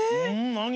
なに？